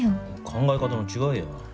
考え方の違いや。